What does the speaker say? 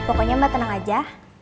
pokoknya mbak tenang aja